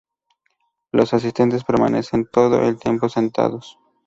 Los asistentes permanecen todo el tiempo sentados.